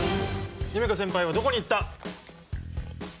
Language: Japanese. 夢叶先輩はどこに行った？